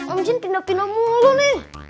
om jin pindah pindah mulu nih